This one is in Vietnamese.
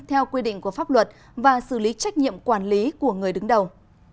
theo quy định của pháp luật và xử lý trách nhiệm quản lý của người đứng đầu